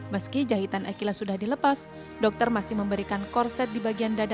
meski jahitan akila sudah dilepas dokter masih memberikan korset di bagian dada